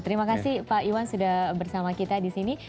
terima kasih pak iwan sudah bersama kita disini